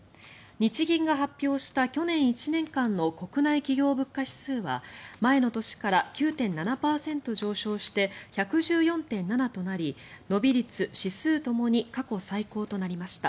日銀が発表した去年１年間の国内企業物価指数は前の年から９．７％上昇して１１４．７となり伸び率、指数ともに過去最高となりました。